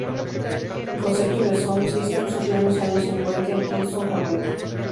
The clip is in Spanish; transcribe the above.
El concepto de "sound system" surgió en los años cincuenta en Kingston, Jamaica.